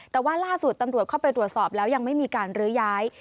แต่ว่าล่าสุดตำรวจเข้าไปตรวจสอบแล้วยังไม่มีการลื้อย้าย